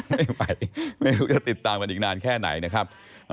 ไม่ไปไม่รู้จะติดตามกันอีกนานแค่ไหนนะครับ